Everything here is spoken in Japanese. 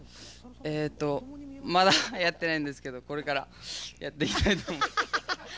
えっとまだやってないんですけどこれからやっていきたいと。